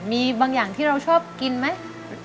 มีบางอย่างที่เราชอบกินไหม